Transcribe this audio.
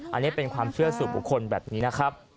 อันนี้เป็นความเชื่อสู่บุคคลแบบนี้นะครับ